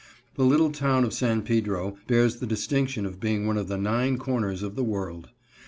The little town of San Pedro bears the distinction of being one of the nine corners of the world.